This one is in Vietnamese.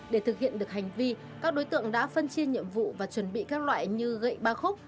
để thực hiện được hành vi các đối tượng đã phân chia nhiệm vụ và chuẩn bị các loại như gậy ba khúc